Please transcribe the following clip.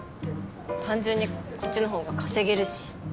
単純にこっちの方が稼げるし。